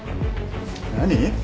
何！？